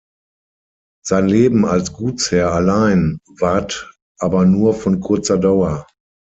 Sein Leben als Gutsherr allein ward aber nur von kurzer Dauer.